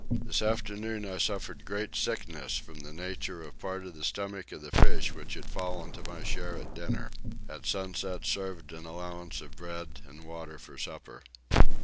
This afternoon I suffered great sickness from the nature of part of the stomach of the fish which had fallen to my share at dinner. At sunset served an allowance of bread and water for supper.